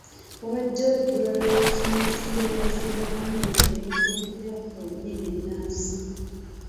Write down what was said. Wabaddewo ebbula ly’ebisomeserezebwamu ebituukira ku nnimi ennansi.